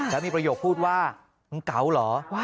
แล้วมีประโยคพูดว่ามึงเก๋าเหรอ